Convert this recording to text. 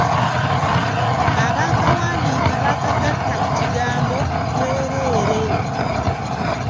Abaakawandiika baakagatta ku kigambo 'bwereere.'